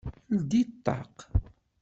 Ldi ṭṭaq!